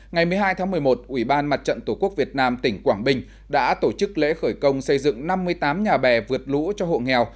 ngày một mươi hai một mươi một ubnd tqvn tỉnh quảng bình đã tổ chức lễ khởi công xây dựng năm mươi tám nhà bè vượt lũ cho hộ nghèo